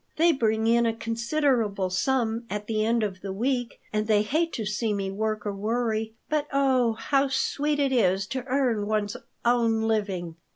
They bring in a considerable sum at the end of the week, and they hate to see me work or worry. But, oh, how sweet it is to earn one's own living!